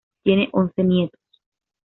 Tiene once nietos.